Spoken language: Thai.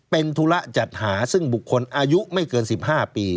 เป็นธุระจัดหาซึ่งบุคคลอายุไม่เกิน๑๕ปี